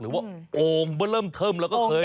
หรือว่าโอ่งเบอร์เริ่มเทิมแล้วก็เคย